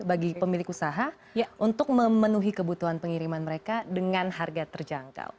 bagi pemilik usaha untuk memenuhi kebutuhan pengiriman mereka dengan harga terjangkau